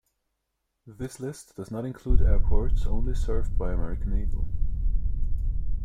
This list does not include airports only served by American Eagle.